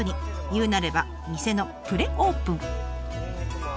言うなれば店のプレオープン。